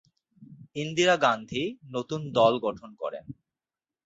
ইন্দিরা গান্ধী নতুন দল গঠন করেন।